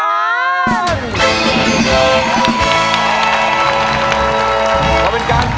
และเงินที่สะสมมาจะตกเป็นของผู้ที่ร้องถูก